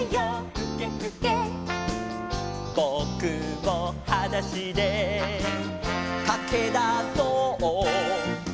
「ぼくもはだしでかけだそう」